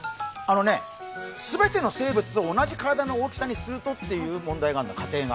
全ての生物を同じ体の大きさにするとという問題があるの、仮定が。